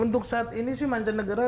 untuk saat ini sih mancanegara